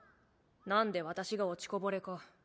なんで私が落ちこぼれか。